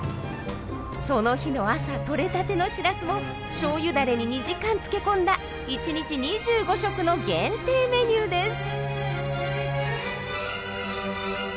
その日の朝とれたてのシラスをしょうゆダレに２時間漬け込んだ１日２５食の限定メニューです。